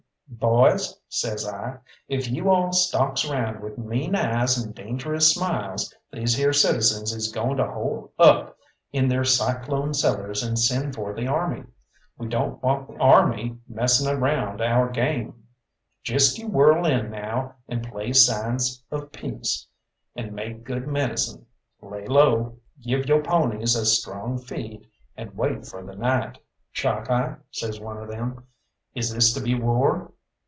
"Boys," says I, "if you all stalks round with mean eyes and dangerous smiles, these here citizens is going to hole up in their cyclone cellars and send for the army. We don't want the army messing around our game. Just you whirl in now and play signs of peace, and make good medicine. Lay low, give yo' ponies a strong feed and wait for the night." "Chalkeye," says one of them, "is this to be war?"